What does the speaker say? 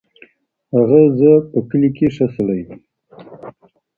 هغه ز په کلي کې ښه سړی دی.